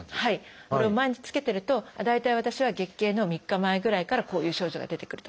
これを毎日つけてると大体私は月経の３日前ぐらいからこういう症状が出てくると。